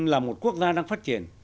là một quốc gia đang phát triển